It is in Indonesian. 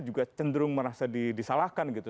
juga cenderung merasa disalahkan gitu